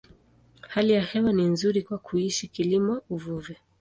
Hali ya hewa ni nzuri kwa kuishi, kilimo, uvuvi.